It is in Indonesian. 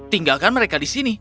tinggalkan mereka di sini